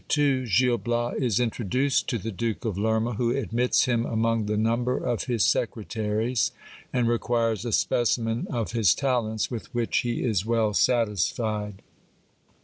— Gil Bias is introduced to the Duke of Lerma, who admits him among the number of his secretaries, and requires a specimen of his talents, with which he is well satisfied.